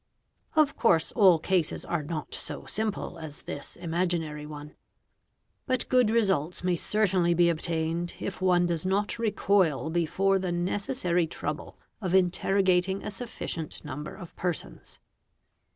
Of course all cases are not so simple as this imaginary one ; but good results may certainly be obtained if on does not recoil before the necessary trouble of interrogating a suffi sien number of persons.